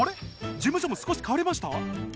事務所も少し変わりました？